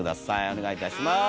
お願いいたします。